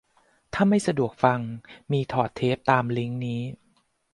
ถ้าไม่สะดวกฟัง มีถอดเทปตามลิงก์นี้